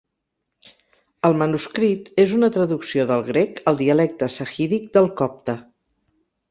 El manuscrit és una traducció del grec al dialecte sahídic del copte.